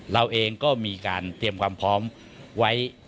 เราเองก็มีการเตรียมความพร้อมกันนะครับ